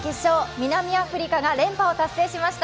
南アフリカが連覇を達成しました。